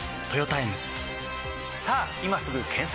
さぁ今すぐ検索！